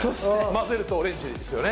混ぜるとオレンジですよね